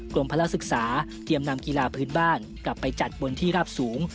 พลักษึกษาเตรียมนำกีฬาพื้นบ้านกลับไปจัดบนที่ราบสูง